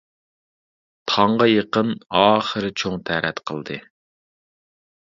تاڭغا يېقىن ئاخىرى چوڭ تەرەت قىلدى.